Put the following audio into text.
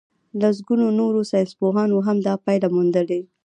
لسګونو نورو ساينسپوهانو هم دا پايله موندلې.